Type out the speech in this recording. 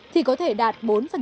thì có thể đạt bốn